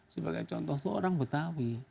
sebagai contoh itu orang betawi